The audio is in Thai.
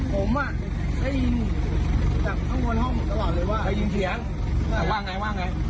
ผมได้ยินจากข้างบนห้องผมตลอดเลยว่าได้ยินเสียงว่าไงว่าไง